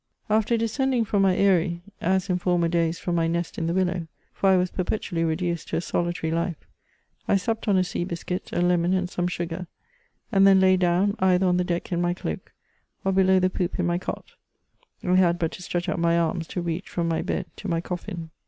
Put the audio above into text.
After descending from my aery, as in former days from my nest in the willow — for I was perpetually reduced to a solitary Hfe — I supped on a sea hiscuit, a lemon, and some sugar, and then lay down, either on the deck in my cloak, or helow the poop in my cot ; I had hut to stretch out my arms to reach irom my bed to my coffin.